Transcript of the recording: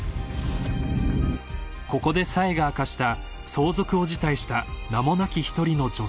［ここで紗英が明かした相続を辞退した名もなき一人の女性とは］